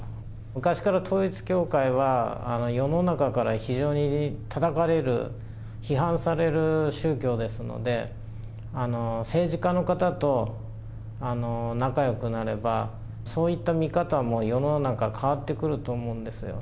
昔から統一教会は、世の中から非常にたたかれる、批判される宗教ですので、政治家の方と仲よくなれば、そういった見方も世の中、変わってくると思うんですよ。